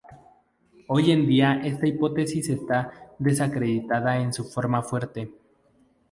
Hoy en día esta hipótesis está desacreditada en su forma fuerte.